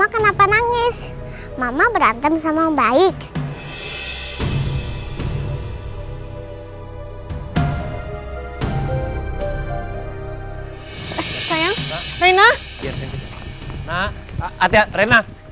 kita pecahin balon keluarnya warnanya biru